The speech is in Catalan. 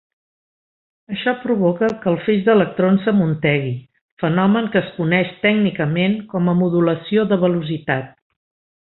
Això provoca que el feix d'electrons "s'amuntegui", fenomen que es coneix tècnicament com a "modulació de velocitat".